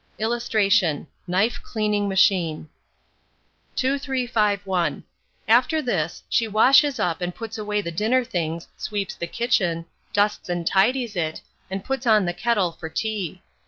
[Illustration: KNIFE CLEANING MACHINE] 2351. After this, she washes up and puts away the dinner things, sweeps the kitchen, dusts and tidies it, and puts on the kettle for tea.